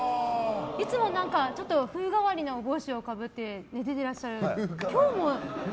いつも、ちょっと風変わりなお帽子をかぶって出ていらっしゃいますけど今日も。